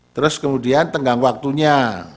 terus kemudian tenggang waktunya